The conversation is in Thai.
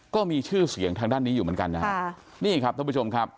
ก็มีชื่อเสียงทางด้านนี้อยู่เหมือนกันนะฮะนี่ครับท่านผู้ชมครับ